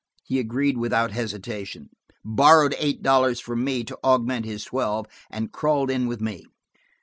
He agreed without hesitation, borrowed eight dollars from me to augment his twelve and crawled in with me.